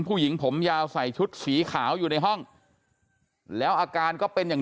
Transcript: ผู้หญิงผมยาวใส่ชุดสีขาวอยู่ในห้องแล้วอาการก็เป็นอย่าง